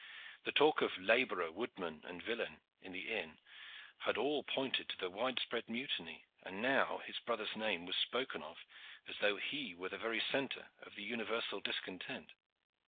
The talk of laborer, woodman and villein in the inn had all pointed to the wide spread mutiny, and now his brother's name was spoken as though he were the very centre of the universal discontent.